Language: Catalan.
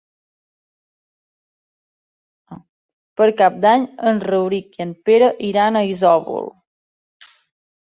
Per Cap d'Any en Rauric i en Pere iran a Isòvol.